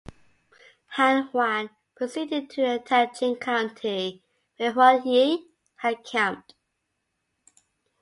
Han Huang proceeded to attack Jing County where Huan Yi had camped.